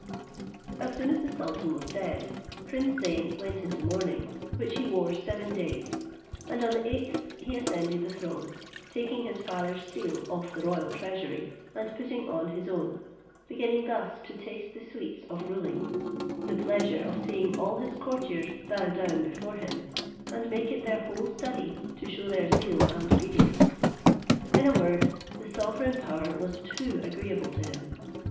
As soon as the sultan was dead, prince Zeyn went into mourning, which he wore seven days, and on the eighth he ascended the throne, taking his father's seal off the royal treasury, and putting on his own, beginning thus to taste the sweets of ruling, the pleasure of seeing all his courtiers bow down before him, and make it their whole study to shew their zeal and obedience. In a word, the sovereign power was too agreeable to him.